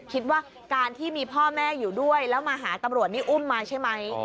คิดว่าการที่มีพ่อแม่อยู่ด้วยแล้วมาหาตำรวจนี่อุ้มมาใช่ไหม